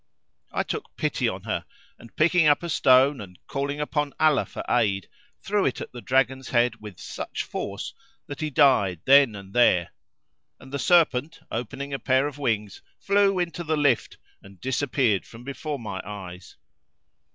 I took pity on her and, picking up a stone and calling upon Allah for aid, threw it at the Dragon's head with such force that he died then and there; and the serpent opening a pair of wings flew into the lift and disappeared from before my eyes.